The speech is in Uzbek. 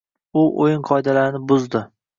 u “o‘yin qoidalari”ni buzdi